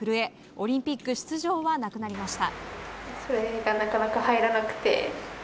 オリンピック出場はなくなりました。